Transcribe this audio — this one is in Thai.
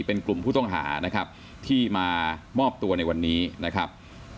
เป็นกลุ่มผู้ต้องหานะครับที่มามอบตัวในวันนี้นะครับ